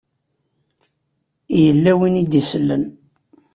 Yella win i d-isellen.